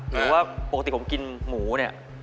หรือว่าปกติผมกินหมูเนี่ย